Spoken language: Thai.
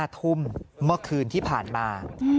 ๕ทุ่มเมื่อคืนที่ผ่านมา